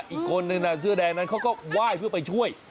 อีกคนนึงเสื้อแดงนั้นเขาก็ไหว้เพื่อไปช่วย